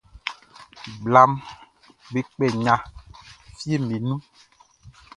Blaʼm be kpɛ nɲa fieʼm be nun.